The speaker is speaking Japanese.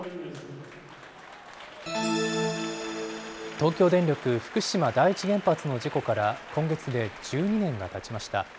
東京電力福島第一原発の事故から今月で１２年がたちました。